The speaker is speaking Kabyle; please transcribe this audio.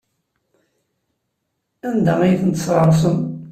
Anda ay tent-tesɣesrem?